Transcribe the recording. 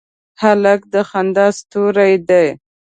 هلک د خندا ستوری دی.